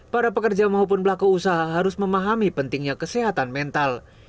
para pekerja maupun pelaku usaha harus memahami pentingnya kesehatan mental